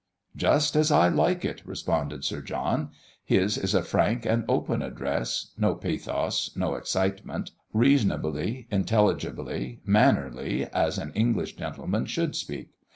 "Just as I like it!" responded Sir John. "His is a frank and open address no pathos, no excitement reasonably, intelligibly, mannerly, as an English gentleman should speak.